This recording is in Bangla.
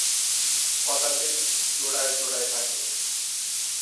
কদাচিৎ জোড়ায় জোড়ায় থাকে।